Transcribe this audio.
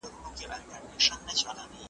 چای ستړیا کموي.